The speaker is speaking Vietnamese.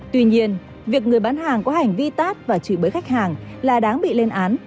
tuy nhiên việc người bán hàng có hành vi tát và chửi bới khách hàng là đáng bị lên án